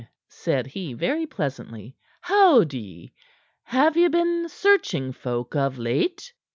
said he very pleasantly. "How d'ye? Have ye been searching folk of late?"